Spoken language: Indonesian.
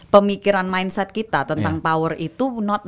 pemikiran mindset kita tentang power itu not